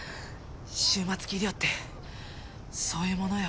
終末期医療ってそういうものよ。